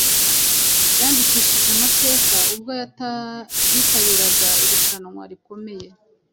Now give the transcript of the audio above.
yandikishije amateka ubwo yitabiraga irushanwa rikomeye